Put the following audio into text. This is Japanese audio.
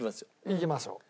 いきましょう。